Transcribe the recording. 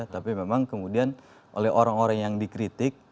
tapi memang kemudian oleh orang orang yang dikritik